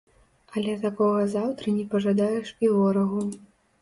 Але такога заўтра не пажадаеш і ворагу.